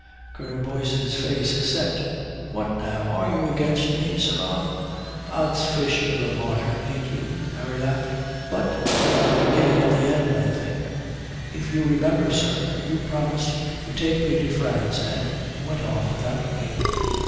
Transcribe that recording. Colonel Boyce's face set. "What now? Are you against me, sirrah?" "Ods fish, you're a martyr, ain't you?" Harry laughed. But we are beginning at the end, I think. If you remember, sir, you promised to take me to France and went off without me."